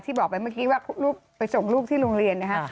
บอกไปเมื่อกี้ว่าลูกไปส่งลูกที่โรงเรียนนะฮะ